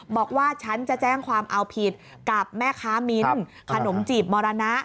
บอกว่าฉันจะแจ้งความเอาผิดกับแม่ค้ามิ้นขนมจีบมรณะ